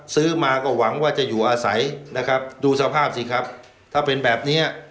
ซื้อมาก็หวังว่าจะอยู่อาศัยนะครับดูสภาพสิครับถ้าเป็นแบบเนี้ย